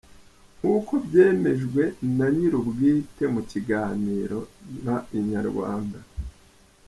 Nk'uko byemejwe na nyirubwite mu kiganiro na Inyarwanda.